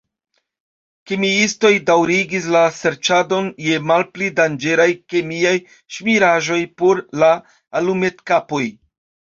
Kemiistoj daŭrigis la serĉadon je malpli danĝeraj kemiaj ŝmiraĵoj por la alumetkapoj.